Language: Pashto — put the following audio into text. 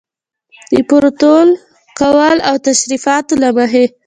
د پروتوکول او تشریفاتو له مخې.